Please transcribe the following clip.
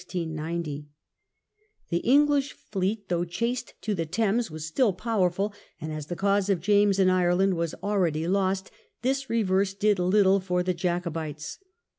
The in the Chan English fleet, though chased to the Thames, ^^^' was still powerful, and as the cause of James in Ireland was already lost, this reverse did' little for the Jacobites.